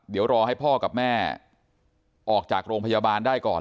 เดี๋ยวรอให้พ่อกับแม่ออกจากโรงพยาบาลได้ก่อน